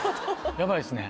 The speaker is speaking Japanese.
ヤバいっすね。